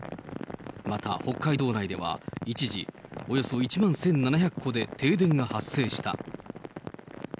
また、北海道内では一時、およそ１万１７００戸で停電が発生した。